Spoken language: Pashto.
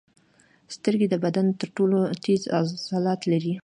سترګې د بدن تر ټولو تېز عضلات لري.